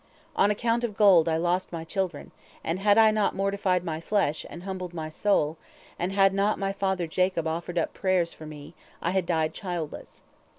On account of gold I lost my children, and had I not mortified my flesh, and humbled my soul, and had not my father Jacob offered up prayers for me, I had died childless.